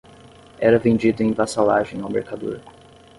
era vendido em vassalagem ao mercador